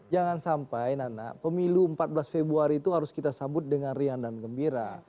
jangan sampai nana pemilu empat belas februari itu harus kita sambut dengan riang dan gembira